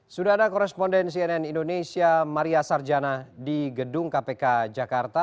sudah ada koresponden cnn indonesia maria sarjana di gedung kpk jakarta